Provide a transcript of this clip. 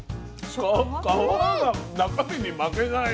皮が中身に負けない。